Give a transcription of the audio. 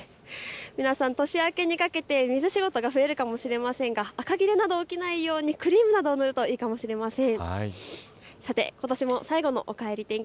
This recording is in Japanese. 皆さん、年明けにかけて水仕事が増えるかもしれませんがあかぎれなど起きないようクリームなどを塗るといいかもしれません。